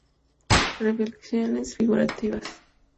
Reflexiones Figurativas".